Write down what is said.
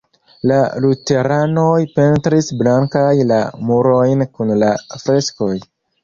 La luteranoj pentris blankaj la murojn kun la freskoj.